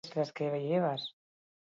Oro har, aringarritzat hartzen da.